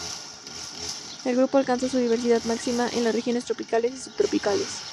El grupo alcanza su diversidad máxima en las regiones tropicales y subtropicales.